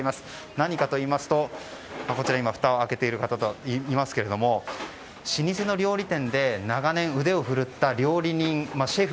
何かといいますとふたを開けている方がいますけれども老舗の料理店で長年腕を振るった料理人、シェフ。